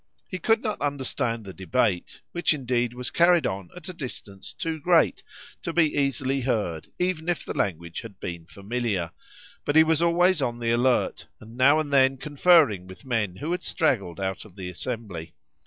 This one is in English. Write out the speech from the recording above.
He could not understand the debate, which indeed was carried on at a distance too great to be easily heard, even if the language had been familiar; but he was always on the alert, and now and then conferring with men who had straggled out of the assembly.